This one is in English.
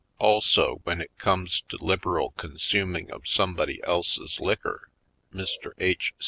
Also, when it comes to liberal consuming of somebody else's liquor, Mr. H.